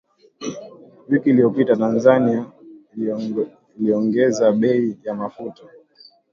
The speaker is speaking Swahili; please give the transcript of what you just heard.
Wiki iliyopita, Tanzania iliongeza bei ya mafuta